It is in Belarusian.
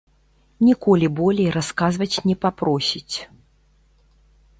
Ніколі болей расказваць не папросіць.